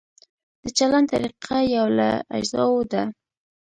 د چلند طریقه یو له اجزاوو ده.